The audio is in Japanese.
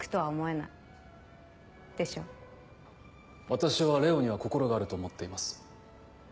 私はＬＥＯには心があると思っています。